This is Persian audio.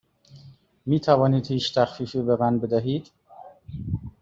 می توانید هیچ تخفیفی به من بدهید؟